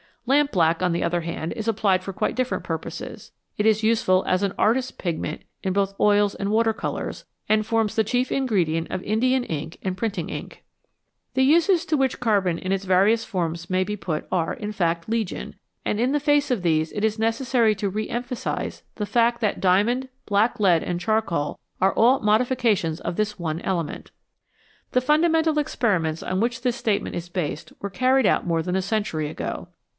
Lamp black, on the other hand, is applied for quite different purposes. It is useful as an artist's pigment in both oils and water colours, and forms the chief ingredient of Indian ink and printing ink. The uses to which carbon in its various forms may be put are, in fact, legion, and in the face of these it is necessary to re emphasise the fact that diamond, black lead, and charcoal are all modifications of this one element. The fundamental experiments on which this statement is based were carried out more than a century ago.